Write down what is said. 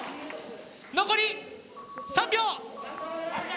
残り３秒。